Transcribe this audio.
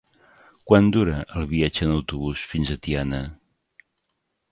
Quant dura el viatge en autobús fins a Tiana?